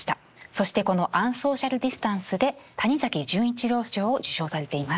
そしてこの「アンソーシャルディスタンス」で谷崎潤一郎賞を受賞されています。